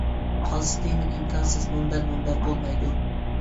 قالسا تېما ئىنكاسسىز، مۇنبەر مۇنبەر بولمايدۇ.